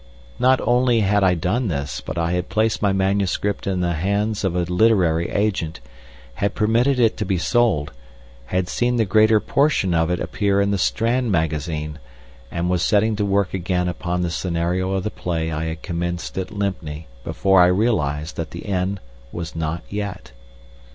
Not only had I done this, but I had placed my manuscript in the hands of a literary agent, had permitted it to be sold, had seen the greater portion of it appear in the Strand Magazine, and was setting to work again upon the scenario of the play I had commenced at Lympne before I realised that the end was not yet.